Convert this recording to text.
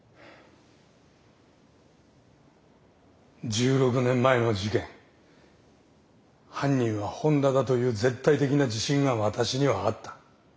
１６年前の事件犯人は本田だという絶対的な自信が私にはあった。